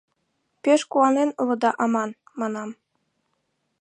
Пеш куанен улыда аман, манам.